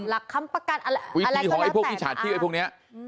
หลักคำประกันวิธีของไอ้พวกนี้ฉาดที่ไอ้พวกนี้